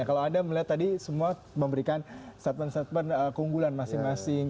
kalau anda melihat tadi semua memberikan statement statement keunggulan masing masing